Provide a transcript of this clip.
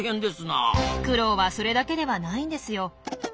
苦労はそれだけではないんですよ。